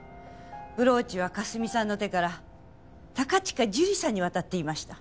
ブローチは佳澄さんの手から高近樹里さんに渡っていました。